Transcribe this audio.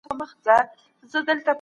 دا مقاله په ډېر مهارت سره ليکل سوې ده.